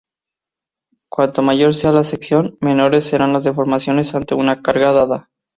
Cuanto mayor sea la sección, menores serán las deformaciones ante una carga dada.